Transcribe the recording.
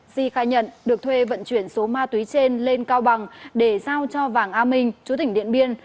di khai nhận được thuê vận chuyển số ma túy trên lên cao bằng để giao cho vàng a minh chú tỉnh điện biên